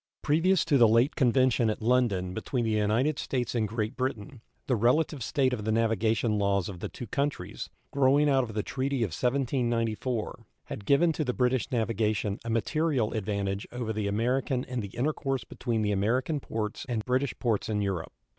Previous to the late convention at London between the United States and Great Britain the relative state of the navigation laws of the two countries, growing out of the treaty of 1794, had given to the British navigation a material advantage over the American in the intercourse between the American ports and British ports in Europe.